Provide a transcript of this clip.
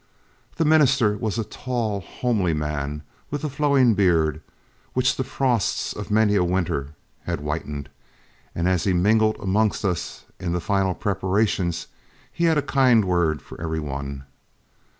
The minister was a tall, homely man, with a flowing beard, which the frosts of many a winter had whitened, and as he mingled amongst us in the final preparations, he had a kind word for every one.